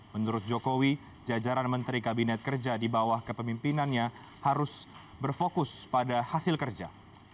menurut jokowi jajaran menteri kabinet kerja di bawah kepemimpinannya harus berfokus pada hasil kerja